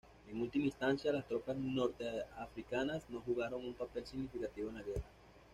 En última instancia, las tropas norteafricanas no jugaron un papel significativo en la guerra.